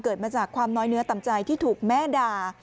เกิดมาจากความน้อยเนื้อต่ำใจที่ถูกแม่ด่า